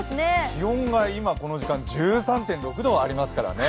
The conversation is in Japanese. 気温が今この時間１３．６度ありますからね。